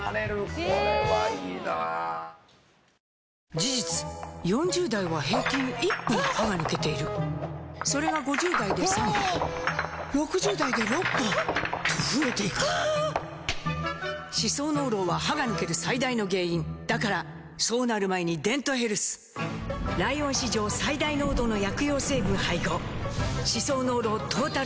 事実４０代は平均１本歯が抜けているそれが５０代で３本６０代で６本と増えていく歯槽膿漏は歯が抜ける最大の原因だからそうなる前に「デントヘルス」ライオン史上最大濃度の薬用成分配合歯槽膿漏トータルケア！